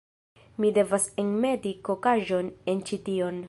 Mi devas enmeti kokaĵon en ĉi tion